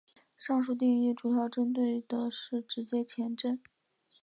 上述定义主要针对的是直接前震。